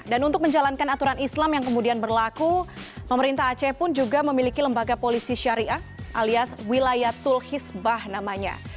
untuk menjalankan aturan islam yang kemudian berlaku pemerintah aceh pun juga memiliki lembaga polisi syariah alias wilayah tul hisbah namanya